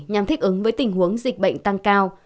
nhằm thích ứng với tình huống dịch bệnh tăng cao